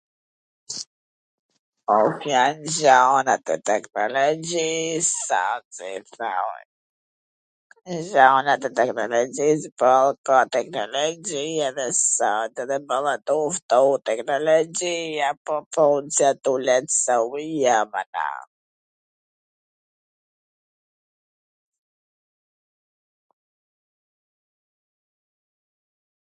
jan gjanat e teknologjis ... gjanat e tekonologjis, po, ka teknologji edhe sot, edhe balla tu ftu teknologji, ...